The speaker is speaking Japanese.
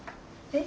え